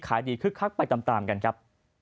ขายดีคึกคักไปตามกันครับ